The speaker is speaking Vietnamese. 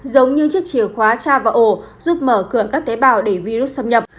giống như chiếc chìa khóa tra vào ổ giúp mở cưỡng các tế bào để virus xâm nhập